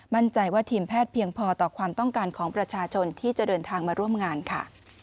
มั่นใจว่าทีมแพทย์เพียงพอต่อความต้องการของประชาชนที่จะเดินทางมาร่วมงานค่ะ